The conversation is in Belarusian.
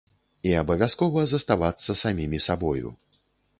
І абавязкова заставацца самімі сабою!